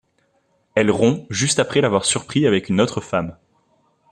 Elle rompt juste après l'avoir surpris avec une autre femme.